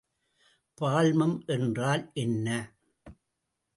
பால்மம் என்றால் என்ன?